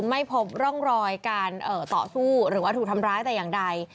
ไม่พบร่องรอยการต่อสู้หรือว่าถูกทำร้ายแต่อย่างใด